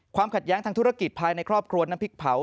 ขัดแย้งทางธุรกิจภายในครอบครัวน้ำพริกเผา